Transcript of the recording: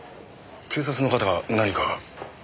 警察の方が何か？